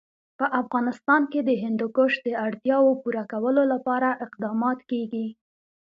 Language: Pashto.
په افغانستان کې د هندوکش د اړتیاوو پوره کولو لپاره اقدامات کېږي.